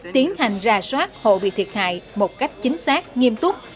tiến hành ra soát hộ bị thiệt hại một cách chính xác nghiêm túc